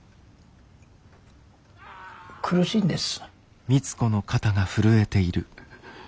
苦しいんです。